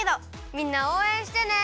みんなおうえんしてね！